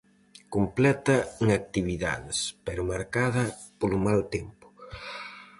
Completa en actividades, pero marcada polo mal tempo.